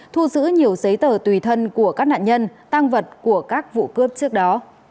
thu giữ nhiều giấy tờ tùy thân của các nạn nhân tăng vật của các vụ cướp trước đó